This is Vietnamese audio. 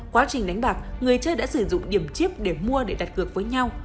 quá trình đánh bạc người chơi đã sử dụng điểm chip để mua để đặt cược với nhau